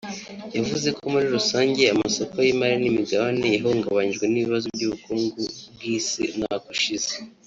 yavuze ko muri rusange amasoko y’imari n’imigabane yahungabanyijwe n’ibibazo by’ubukungu bw’Isi umwaka ushize